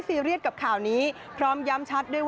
ผลัมย้ำชัดด้วยว่าไม่ใช่สายเพค่ะ